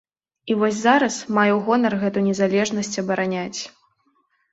І вось зараз маю гонар гэту незалежнасць абараняць.